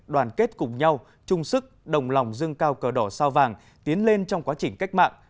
đoàn kết cùng nhau chung sức đồng lòng dưng cao cờ đỏ sao vàng tiến lên trong quá trình cách mạng